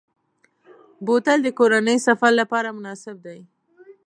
بوتل د کورنۍ سفر لپاره مناسب دی.